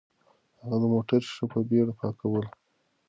هغه د موټر ښیښه په بیړه پاکوله.